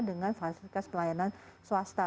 dengan fasilitas pelayanan swasta